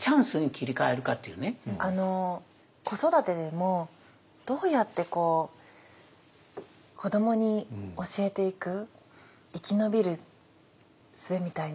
あの子育てでもどうやってこう子どもに教えていく生き延びるすべみたいな。